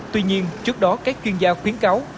tuy nhiên trước đó các chuyên gia khuyến cáo